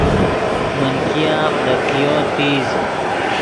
من ګیاغ دے کئیو تیز